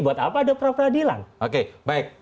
buat apa ada pra peradilan oke baik